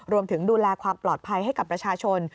ดูแลความปลอดภัยให้กับประชาชน